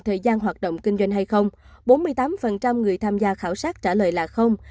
thời gian hoạt động kinh doanh hay không bốn mươi tám người tham gia khảo sát trả lời là không